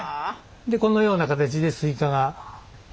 でこのような形でスイカが。